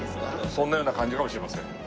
そんなような感じかもしれません。